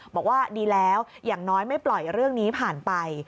บอกว่าดีแล้วอย่างน้อยไม่ปล่อยเรื่องนี้ผ่านไป